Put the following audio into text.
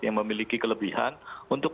yang memiliki kelebihan untuk